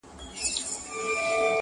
ما خالي انګړ ته وکړل له ناکامه سلامونه!!